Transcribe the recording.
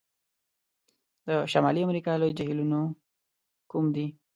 د شمالي امریکا لوی جهیلونو کوم دي؟